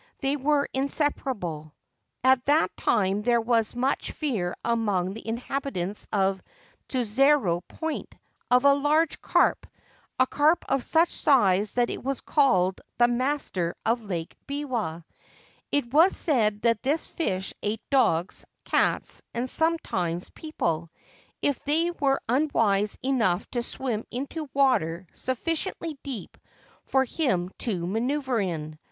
They were inseparable. At that time there was much fear among the inhabitants of Tsuzurao Point of a large carp — a carp of such size that it was called * The Master of Lake Biwa/ It was said that this fish ate dogs, cats, and sometimes people, if they were unwise enough to swim into water sufficiently deep for him to manoeuvre in.